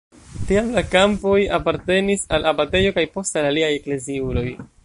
Tiam la kampoj apartenis al abatejo kaj poste al aliaj ekleziuloj.